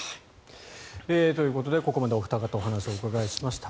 ということでここまでお二方にお話をお伺いしました。